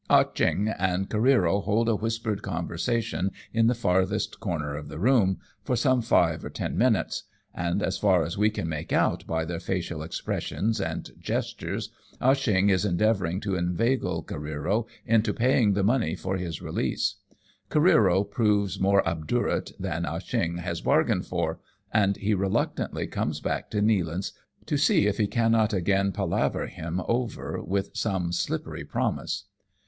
Ah Cheong and Careero hold a whispered conversa tion in the farthest corner of the room, for some five or ten minutes, and as far as we can make out by their facial expression and gestures, Ah Cheong is endeavour ing to inveigle Careero into paying the money for his release ; Careero proves more obdurate than Ah Cheong has bargained for, and he reluctantly comes back to Nealance, to see if he cannot again palaver him over with some slippery promise.